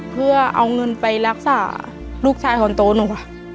เพื่อเอางเดชน์ไปรักษาลูกชายของโต๊ะหนู